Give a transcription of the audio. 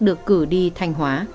được cử đi thanh hóa